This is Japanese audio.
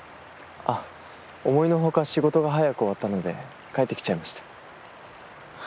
あっ思いの外仕事が早く終わったので帰ってきちゃいました。